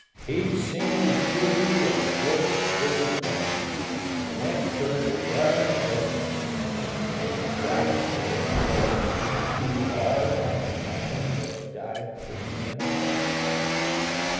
He'd seen his duty a dead sure thing, And went for it thar and then; And Christ ain't a goin' to be too hard On a man that died for men.